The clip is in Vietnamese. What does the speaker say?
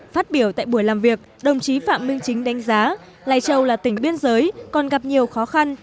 phát biểu tại buổi làm việc đồng chí phạm minh chính đánh giá lai châu là tỉnh biên giới còn gặp nhiều khó khăn